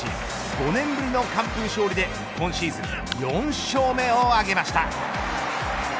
５年ぶりの完封勝利で今シーズン４勝目を挙げました。